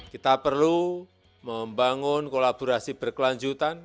kita perlu membangun kolaborasi berkelanjutan